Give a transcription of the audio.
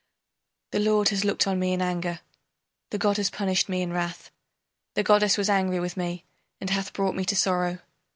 ] The lord has looked on me in anger, The god has punished me in wrath, The goddess was angry with me and hath brought me to sorrow.